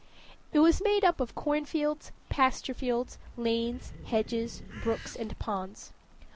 It was made up of cornfields, pasturefields, lanes, hedges, brooks, and ponds.